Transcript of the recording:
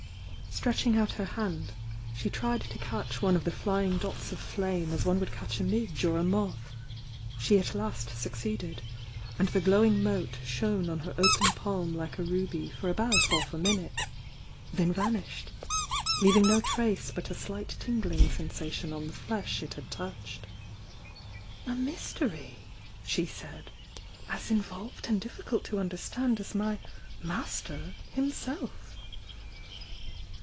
Stretching out her hand, she tried to catch one of the flying dots of flame as one would catch a midge or a moth, —she at last succeeded, and the glowing mote shone on her open palm like a ruby for about half a min ute — then vanished, leaving no trace but a slight tingling sensation on the flesh it had touched. "A mystery!" she said— "as involved and diflScult to understand as my 'master' himself!"